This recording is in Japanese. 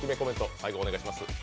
最後にお願いします。